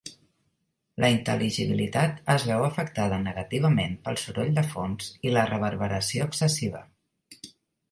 La intel·ligibilitat es veu afectada negativament pel soroll de fons i la reverberació excessiva.